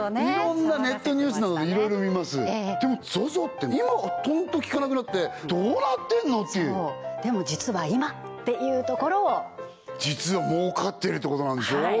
いろんなネットニュースなどでいろいろ見ますでもＺＯＺＯって今はとんと聞かなくなってどうなってんの？っていうそうでも実は今っていうところを実は儲かってるってことなんでしょ